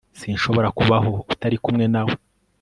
sinshobora kubaho utari kumwe nawe